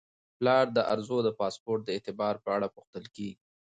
پلار د ارزو د پاسپورت د اعتبار په اړه پوښتل کیږي.